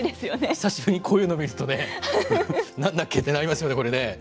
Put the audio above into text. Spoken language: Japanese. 久しぶりにこういうのを見るとね、なんだっけってなりますよね、これね。